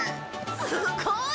すごい！